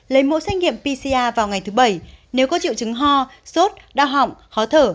lấy mẫu xét nghiệm pcr vào ngày thứ bảy nếu có triệu chứng ho sốt đau họng khó thở